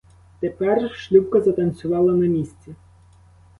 Тепер шлюпка затанцювала на місці.